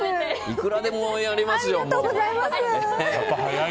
いくらでもやりますよ。